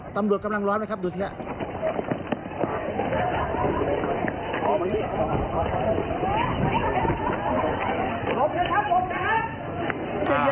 ตำรวจกำลังร้อนไหมครับดูสิครับ